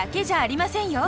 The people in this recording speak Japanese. じゃありません